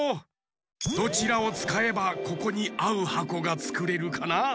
どちらをつかえばここにあうはこがつくれるかな？